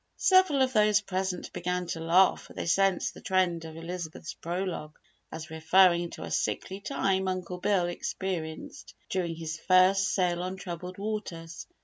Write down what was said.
Several of those present began to laugh for they sensed the trend of Elizabeth's prologue as referring to a sickly time Uncle Bill experienced during his first sail on troubled waters.